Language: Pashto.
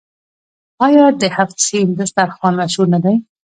آیا د هفت سین دسترخان مشهور نه دی؟